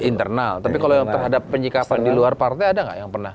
internal tapi kalau yang terhadap penyikapan di luar partai ada nggak yang pernah